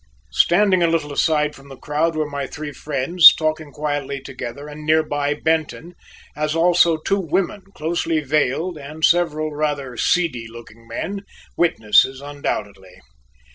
Standing a little aside from the crowd were my three friends talking quietly together and nearby Benton, as also two women closely veiled and several rather seedy looking men, witnesses, undoubtedly.